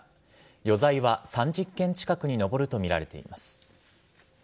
余罪は３０件近くに上るとみられています。